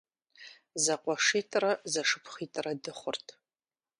ЗэкъуэшитӀрэ зэшыпхъуитӀрэ дыхъурт.